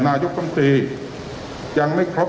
นายกรรมตรียังไม่ครบ